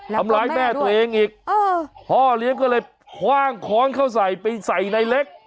ทำร้ายแม่ตัวเองอีกพ่อเลี้ยงก็เลยคว่างค้อนเข้าใส่ไปใส่ในเล็ก